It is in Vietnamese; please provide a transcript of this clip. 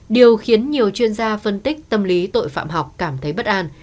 điều khiến nhiều chuyên gia phân tích tâm lý tội phạm học cảm thấy bất an